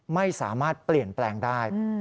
ไม่สามารถเปลี่ยนแปลงได้